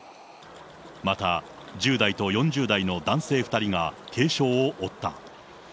また、１０代と４０代の男性２人が軽傷を負った。